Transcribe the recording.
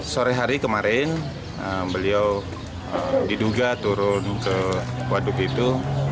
sore hari kemarin beliau diduga turun ke waduk itu